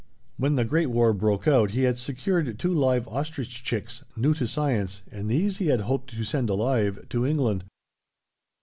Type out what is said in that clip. When the Great War broke out he had secured two live ostrich chicks, new to science, and these he had hoped to send alive to England.